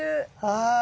はい。